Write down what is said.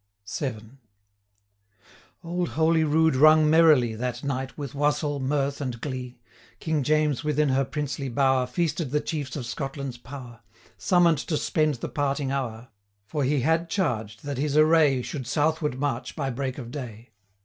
170 VIL Old Holy Rood rung merrily, That night, with wassell, mirth, and glee: King James within her princely bower Feasted the Chiefs of Scotland's power, Summon'd to spend the parting hour; 175 For he had charged, that his array Should southward march by break of day.